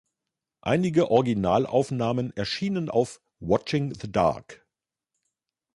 Einige Originalaufnahmen erschienen auf "Watching the Dark".